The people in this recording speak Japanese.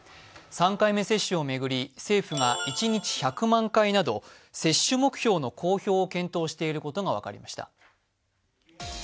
３回目接種を巡り、政府が一日１００万回など接種目標の公表を検討していることが分かりました。